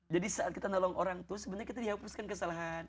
jadi saat kita nolong orang itu sebenarnya kita dihapuskan kesalahan